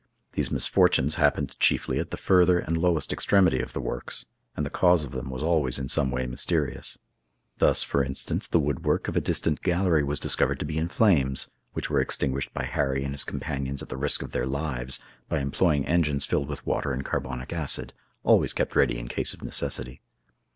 These misfortunes happened chiefly at the further and lowest extremity of the works, and the cause of them was always in some way mysterious. Thus, for instance, the wood work of a distant gallery was discovered to be in flames, which were extinguished by Harry and his companions at the risk of their lives, by employing engines filled with water and carbonic acid, always kept ready in case of necessity.